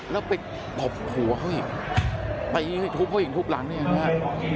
แล้วไปปบหัวเขาอีกไปทุบผู้หญิงทุบหลังเนี่ยอันนี้ฮะ